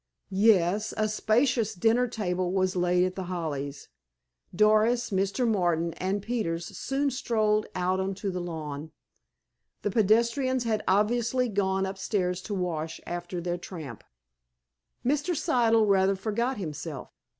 Yes, a spacious dinner table was laid at The Hollies. Doris, Mr. Martin, and Peters soon strolled out on to the lawn. The pedestrians had obviously gone upstairs to wash after their tramp. Mr. Siddle rather forgot himself.